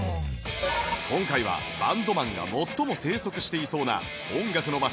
今回はバンドマンが最も生息していそうな音楽の街